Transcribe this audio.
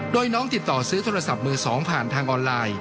โดยน้องติดต่อซื้อโทรศัพท์มือ๒ผ่านทางออนไลน์